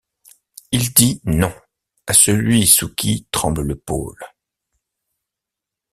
Il dit: Non! à celui sous qui tremble le pôle.